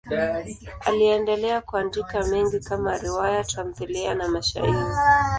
Aliendelea kuandika mengi kama riwaya, tamthiliya na mashairi.